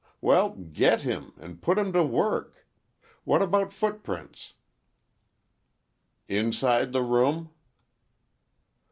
Well, get him, and put him to work. What about footprints?" "Inside the room?"